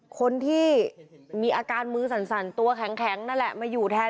คนที่มีอาการมือสั่นตัวแข็งนั่นแหละมาอยู่แทน